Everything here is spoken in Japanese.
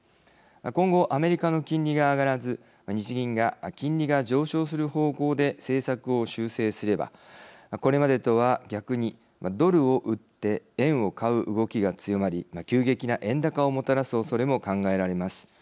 今後アメリカの金利が上がらず日銀が金利が上昇する方向で政策を修正すればこれまでとは逆にドルを売って円を買う動きが強まり急激な円高をもたらすおそれも考えられます。